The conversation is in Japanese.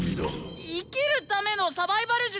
生きるためのサバイバル術！